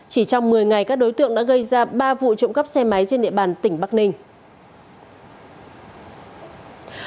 chỉ trong một mươi ngày các đối tượng đã gây ra ba vụ trộm cắp xe máy trên địa bàn tỉnh bắc ninh